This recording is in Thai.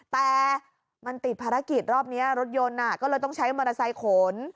แต่มันติดภารกิจรอบนี้รถยนต์ก็เลยต้องใช้มอเตอร์ไซค์ขน